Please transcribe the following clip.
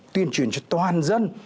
tuyên truyền cho toàn dân